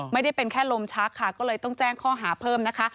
ไม่ได้เป็นแค่ลมชักค่ะก็เลยต้องแจ้งข้อหาเพิ่มนะคะ